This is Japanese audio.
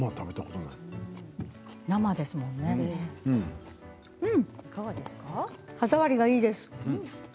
あまり歯触りがいいです。